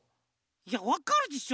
いやわかるでしょ。